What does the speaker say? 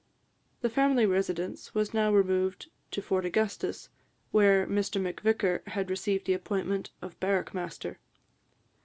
The family residence was now removed to Fort Augustus, where Mr Macvicar had received the appointment of barrack master.